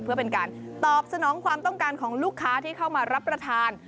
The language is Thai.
เพื่อเป็นการตอบสนองความต้องการของลูกค้าที่เข้ามารับประทาน